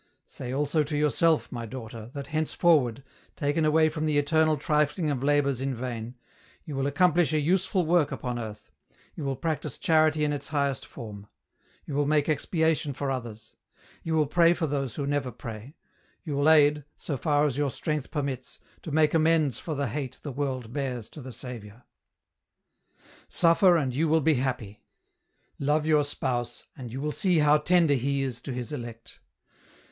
Say also to yourself, my daughter, that, henceforward, taken away from the eternal trifling of labours in vain, you will accomplish a useful work upon earth, you will practise charity in its highest form, you will make expiation for others, you will pray for those who never pray, you will aid, so far as your strength permits, to make amends for the hate the world bears to the Saviour. " Suffer and you will be happy ; love your spouse, and you will see how tender He is to His elect.